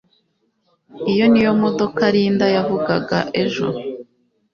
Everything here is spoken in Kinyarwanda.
Iyi niyo modoka Linda yavugaga ejo